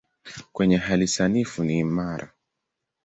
Kwenye hali sanifu ni imara.